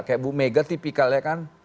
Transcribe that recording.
kayak bu mega tipikalnya kan